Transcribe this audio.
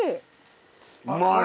うまい！